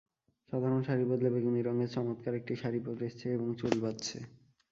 সাধারণ শাড়ি বদলে বেগুনি রঙের চমৎকার একটি শাড়ি পরেছে এবং চুল বাঁধছে।